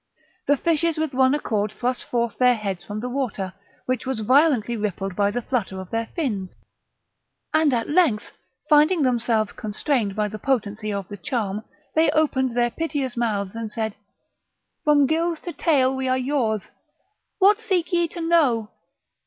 The fishes with one accord thrust forth their heads from the water, which was violently rippled by the flutter of their fins, and, at length finding themselves constrained by the potency of the charm, they opened their piteous mouths, and said: "From gills to tail we are yours; what seek ye to know?"